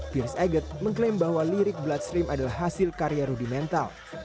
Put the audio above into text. pierce iget mengklaim bahwa lirik bloodstream adalah hasil karya rudimental